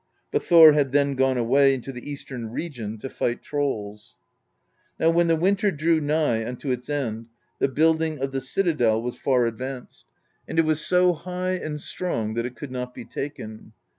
But Thor had then gone away into the eastern region to fight trolls. "Now when the winter drew nigh unto its end, the build ing of the citadel was far advanced; and it was so high and strong that it could not be taken.